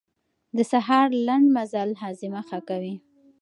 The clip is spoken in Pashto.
د سهار لنډ مزل هاضمه ښه کوي.